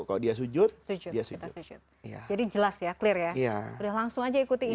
kalau dia sujud dia sujud